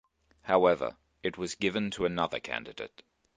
However it was given to another candidate.